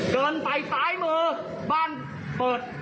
เดินไปซ้ายมือบ้านเปิด